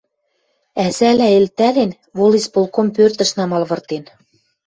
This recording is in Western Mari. ӓзӓлӓ элтӓлен, волисполком пӧртӹш намал пыртен.